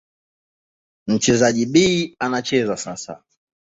Mchezaji B anacheza sasa.